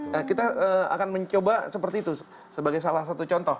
nah kita akan mencoba seperti itu sebagai salah satu contoh